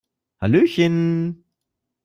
Hallöchen!